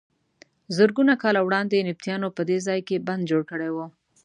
زرګونه کاله وړاندې نبطیانو په دې ځای کې بند جوړ کړی و.